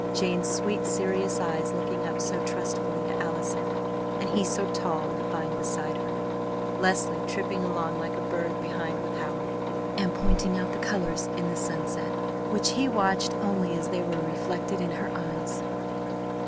Jane's sweet, serious eyes looking up so trustfully to Allison, and he so tall and fine beside her; Leslie tripping along like a bird behind with Howard, and pointing out the colors in the sunset, which he watched only as they were reflected in her eyes.